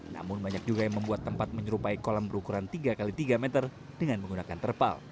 namun banyak juga yang membuat tempat menyerupai kolam berukuran tiga x tiga meter dengan menggunakan terpal